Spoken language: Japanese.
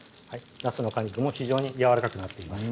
なすの果肉も非常にやわらかくなっています